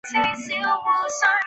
过后才会发现